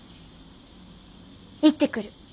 行ってくる。